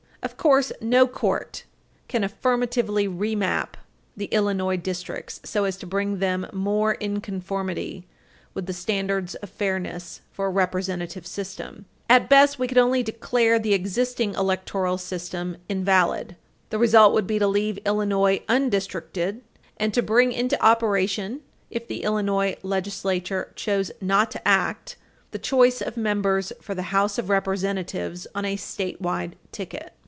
553 Of course, no court can affirmatively re map the Illinois districts so as to bring them more in conformity with the standards of fairness for a representative system. At best, we could only declare the existing electoral system invalid. The result would be to leave Illinois undistricted, and to bring into operation, if the Illinois legislature chose not to act, the choice of members for the House of Representatives on a statewide ticket.